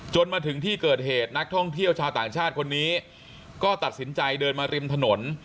มาถึงที่เกิดเหตุนักท่องเที่ยวชาวต่างชาติคนนี้ก็ตัดสินใจเดินมาริมถนน